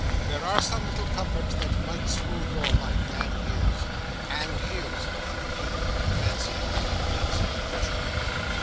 There are some little comforts that might smooth your life, and his. And his!" he repeated, fancying that had made some impression on her.